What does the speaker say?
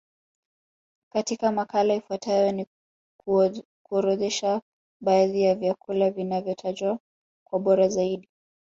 Katika makala ifuatayo nitakuorodhoshea baadhi ya vyakula vinavyotajwa kuwa bora zaidi